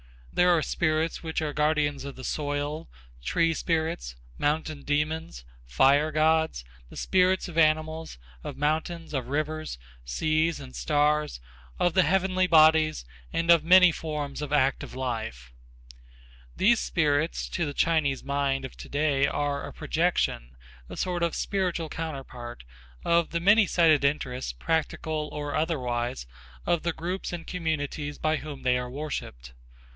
There are spirits which are guardians of the soil, tree spirits, mountain demons, fire gods, the spirits of animals, of mountains, of rivers, seas and stars, of the heavenly bodies and of many forms of active life. These spirits to the Chinese mind, of today are a projection, a sort of spiritual counterpart, of the many sided interests, practical or otherwise, of the groups and communities by whom they are worshipped.